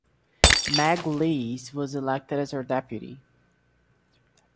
Meg Lees was elected as her deputy.